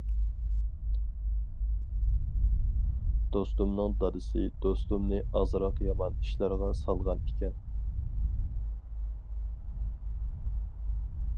دوستۇمنىڭ دادىسى دوستۇمنى ئازراق يامان ئىشلارغا سالغان ئىكەن.